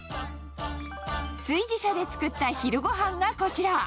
炊事車で作った昼ごはんがこちら。